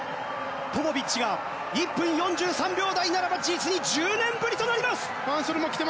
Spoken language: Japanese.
ポポビッチが１分４３秒台ならば実に１０年ぶりとなります。